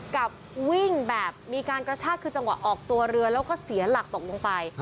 กับวิ่งแบบมีการกระชากคือจังหวะออกตัวเรือแล้วก็เสียหลักตกลงไป